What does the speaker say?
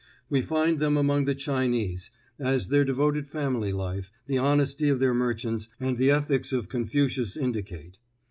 We find them among the Chinese, as their devoted family life, the honesty of their merchants, and the ethics of Confucius indicate.